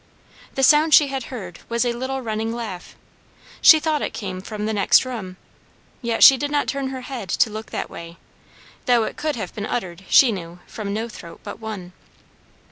The sound she had heard was a little running laugh; she thought it came from the next room; yet she did not turn her head to look that way, though it could have been uttered, she knew, from no throat but one.